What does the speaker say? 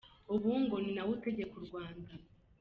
Ubu ngo ni nawe utegeka u Rwanda”.